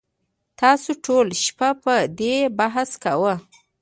تاسو ټوله شپه په دې بحث کاوه